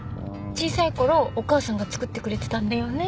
小さい頃お母さんが作ってくれてたんだよね。